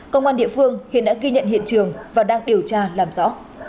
công an địa phương hiện đã ghi nhận hiện trường và đang điều tra làm rõ